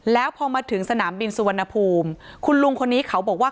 แล้วพอมาถึงสนามบินสุวรรณภูมิคุณลุงคนนี้เขาบอกว่า